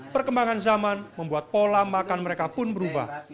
perkembangan zaman membuat pola makan mereka pun berubah